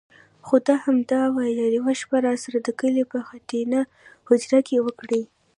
خو ده همدا ویل: یوه شپه راسره د کلي په خټینه هوجره کې وکړئ.